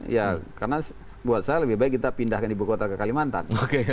ya karena buat saya lebih baik kita pindahkan ibu kota ke kalimantan